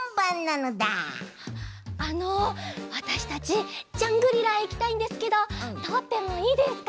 あのわたしたちジャングリラへいきたいんですけどとおってもいいですか？